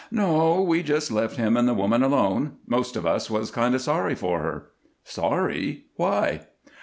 "No, we just left him and the woman alone. Most of us was kind of sorry for her." "Sorry? Why?"